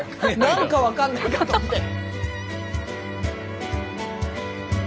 何か分かんないかと思って。